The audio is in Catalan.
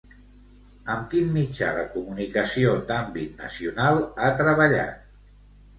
En quin mitjà de comunicació d'àmbit nacional ha treballat?